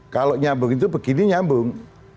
kalau nyambung itu begini nyambung